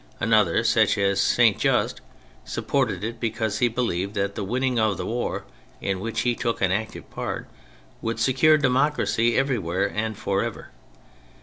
Another, such as Saint Just, supported it because he believed that the winning of the war (in which he took an active part) would secure democracy every where and for ever.